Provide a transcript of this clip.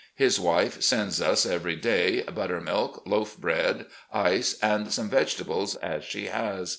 His wife sends us, every day, buttermilk, loaf bread, ice, and such vegetables as she has.